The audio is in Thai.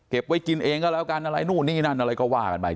ไว้กินเองก็แล้วกันอะไรนู่นนี่นั่นอะไรก็ว่ากันไป